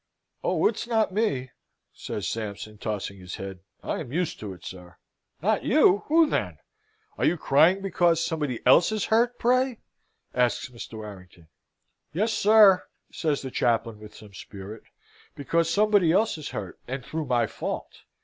"Oh, it's not me!" says Sampson, tossing his head. "I am used to it, sir." "Not you! Who, then? Are you crying because somebody else is hurt, pray?" asks Mr. Warrington. "Yes, sir!" says the chaplain, with some spirit; "because somebody else is hurt, and through my fault.